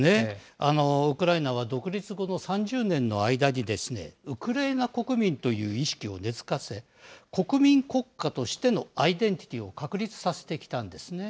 ウクライナは独立後の３０年の間に、ウクライナ国民という意識を根づかせ、国民国家としてのアイデンティティを確立させてきたんですね。